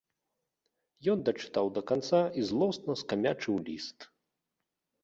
Ён дачытаў да канца і злосна скамячыў ліст.